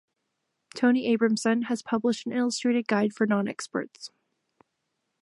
Tony Abramson has published an illustrated guide for nonexperts.